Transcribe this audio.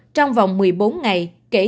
trong vòng một mươi bốn ngày